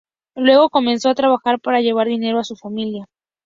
Luego comenzó a trabajar para llevar dinero a su familia.